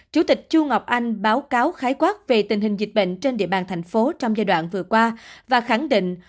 chủ tịch chu ngọc anh báo cáo khái quát về tình hình dịch bệnh trên địa bàn thành phố trong giai đoạn vừa qua và khẳng định